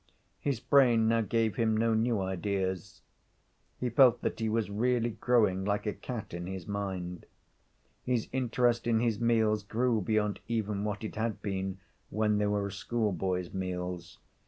His brain now gave him no new ideas. He felt that he was really growing like a cat in his mind. His interest in his meals grew beyond even what it had been when they were a schoolboy's meals.